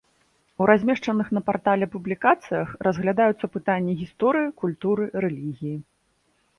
У размешчаных на партале публікацыях разглядаюцца пытанні гісторыі, культуры, рэлігіі.